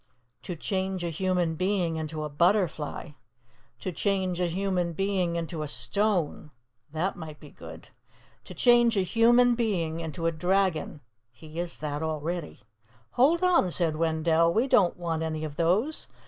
TO CHANGE A HUMAN BEING INTO A BUTTERFLY. TO CHANGE A HUMAN BEING INTO A STONE ' That might be good, 'TO CHANGE A HUMAN BEING INTO A DRAGON ' He is that already." "Hold on," said Wendell. "We don't want any of those.